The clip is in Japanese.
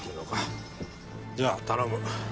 じゃあ頼む。